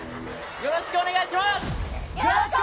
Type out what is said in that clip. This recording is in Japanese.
よろしくお願いします。